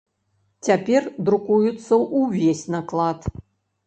Цяпер друкуецца ўвесь наклад.